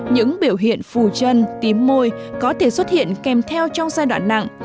những biểu hiện phù chân tím môi có thể xuất hiện kèm theo trong giai đoạn nặng